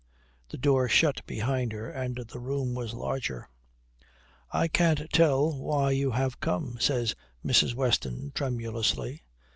The door shut behind her, and the room was larger. "I can't tell why you have come," says Mrs. Weston tremulously.